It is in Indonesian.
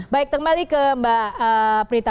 baik kembali ke mbak prita